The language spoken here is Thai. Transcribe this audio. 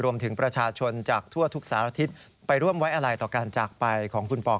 รวมถึงประชาชนจากทั่วทุกสารทิศไปร่วมไว้อะไรต่อการจากไปของคุณปอก